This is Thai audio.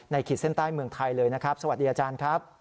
ขีดเส้นใต้เมืองไทยเลยนะครับสวัสดีอาจารย์ครับ